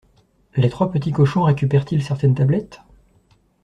Les trois petits cochons récupèrent-ils certaines tablettes?